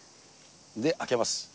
で、開けます。